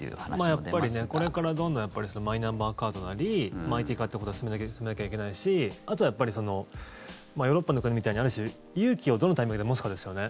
やっぱりこれからどんどんマイナンバーカードなりＩＴ化ということを進めなきゃいけないしあとはヨーロッパの国みたいに勇気をどのタイミングで持つかですよね。